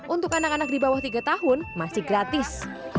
untuk anak anak di bawah tiga tahun masih gratis